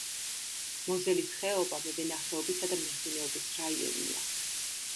მოზელის ხეობა მევენახეობისა და მეღვინეობის რაიონია.